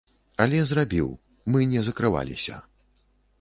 Але зрабіў, мы не закрываліся.